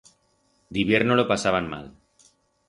D'hibierno lo pasaban mal.